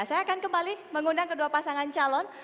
saya akan kembali mengundang kedua pasangan calon